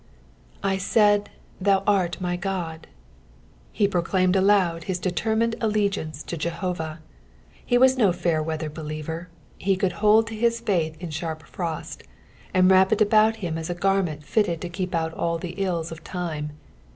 "/ jaid, TAou art my Ood." He proclaimed aloud his determined allegiance to Jehovah. He was no fair weather believer, he could hold to his faith in a sharp frost, and wrap it about him as a garment fitted to keep out all the ilia of time.